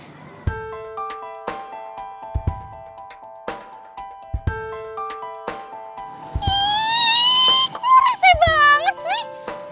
ih kok rese banget sih